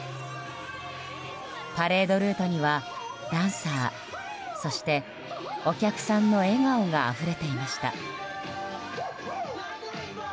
パレードルートには、ダンサーそしてお客さんの笑顔があふれていました。